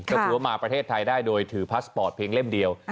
ก็คือว่ามาประเทศไทยได้โดยถือพาสปอร์ตเพียงเล่มเดียว